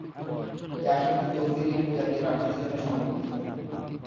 এই আসনটি তফসিলি উপজাতি প্রার্থীদের জন্য সংরক্ষিত।